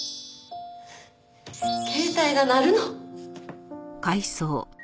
携帯が鳴るの。